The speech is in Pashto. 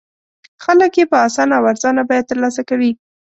خلک یې په اسانه او ارزانه بیه تر لاسه کوي.